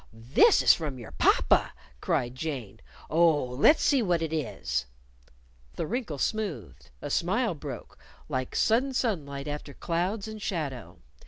"This is from your papa!" cried Jane. "Oh, let's see what it is!" The wrinkle smoothed. A smile broke, like sudden sunlight after clouds, and shadow.